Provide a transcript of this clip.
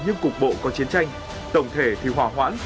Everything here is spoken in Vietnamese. nhưng cục bộ có chiến tranh tổng thể thì hòa hoãn